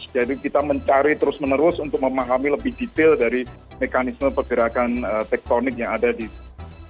jadi kita mencari terus menerus untuk memahami lebih detail dari mekanisme pergerakan tektonik yang ada di situ